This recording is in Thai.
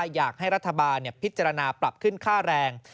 อยากให้รัฐบาลพิจารณาปรับขึ้นค่าแรง